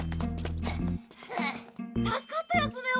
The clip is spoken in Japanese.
助かったよスネ夫。